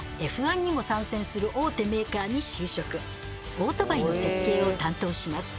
オートバイの設計を担当します。